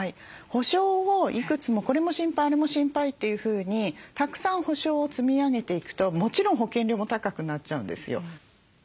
保障をいくつもこれも心配あれも心配というふうにたくさん保障を積み上げていくともちろん保険料も高くなっちゃうんですよ。